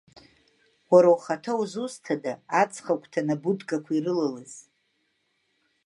Уара ухаҭа узусҭада, аҵхагәҭан абудкақәа ирылалаз?